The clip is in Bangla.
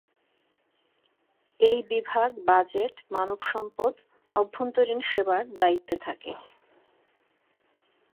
এই বিভাগ বাজেট, মানবসম্পদ, আভ্যন্তরীণ সেবার দায়িত্বে থাকে।